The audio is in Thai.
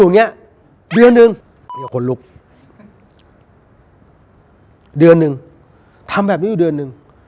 อย่างนี้เดือนหนึ่งเดี๋ยวคนลุกเดือนหนึ่งทำแบบนี้อยู่เดือนหนึ่ง